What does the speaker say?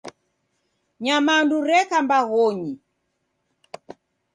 Nyamandu reka mbaghonyi